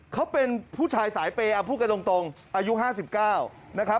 เขาเป็นผู้ชายสายเปรย์เอาพูดกันตรงอายุห้าสิบเก้า